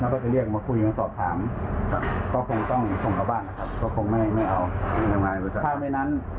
ถ้ามันไม่ยอมมันจะล้างแค้นหรือสร้างเสียชีวิตเลย